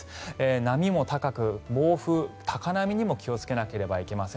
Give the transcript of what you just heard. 波も高く暴風、高波にも気をつけないといけません。